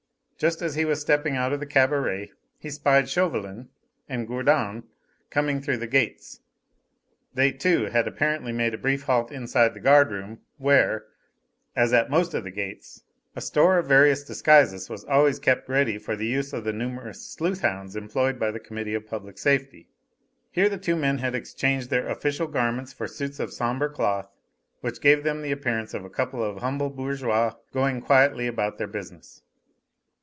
Just as he was stepping out of the cabaret he spied Chauvelin and Gourdon coming through the gates. They, too, had apparently made a brief halt inside the guard room, where as at most of the gates a store of various disguises was always kept ready for the use of the numerous sleuth hounds employed by the Committee of Public Safety. Here the two men had exchanged their official garments for suits of sombre cloth, which gave them the appearance of a couple of humble bourgeois going quietly about their business.